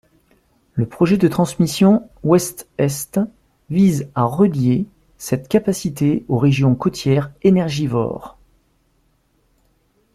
Le projet de transmission ouest-est vise à relier cette capacité aux régions côtières énergivores.